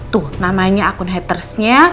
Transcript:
tuh namanya akun hatersnya